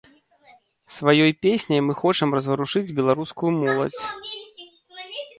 Сваёй песняй мы хочам разварушыць беларускую моладзь.